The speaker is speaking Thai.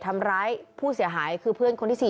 ทำร้ายผู้เสียหายคือเพื่อนคนที่๔